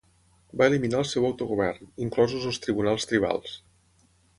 Va eliminar el seu autogovern, inclosos els tribunals tribals.